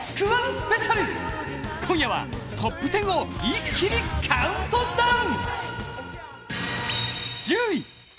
スペシャル、今夜はトップ１０を一気にカウントダウン。